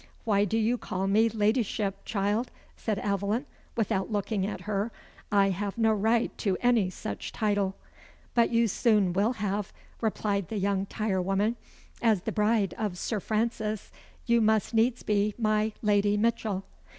"Why do you call me 'ladyship' child?" said Aveline, without looking at her. "I have no right to any such title." "But you soon will have," replied the young tire woman; "as the bride of Sir Francis, you must needs be my Lady Mitchell."